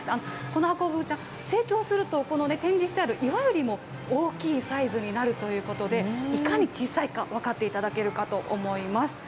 このハコフグちゃん、成長すると、この展示してある岩よりも大きいサイズになるということで、いかに小さいか、分かっていただけるかと思います。